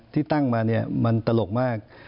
ที่ตั้งมาครับมันตลกมาก